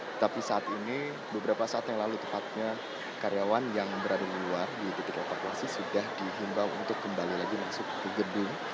tetapi saat ini beberapa saat yang lalu tepatnya karyawan yang berada di luar di titik evakuasi sudah dihimbau untuk kembali lagi masuk ke gedung